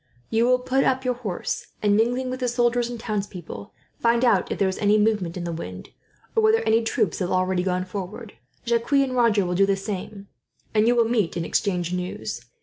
You will put up your horse and, mingling with the soldiers and townspeople, find out if there is any movement in the wind, or whether any troops have already gone forward. Jacques and Roger will do the same, and you will meet and exchange news.